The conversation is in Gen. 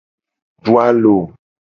Du alo.